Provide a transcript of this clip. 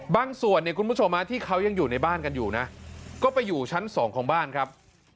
บางส่วนที่เขายังอยู่ในบ้านกันอยู่นะก็ไปอยู่ชั้น๒ของบ้านครับ